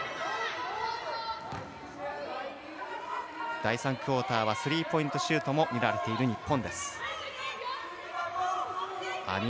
第３クオーターはスリーポイントも決まっている日本。